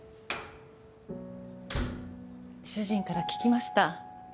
主人から聞きました。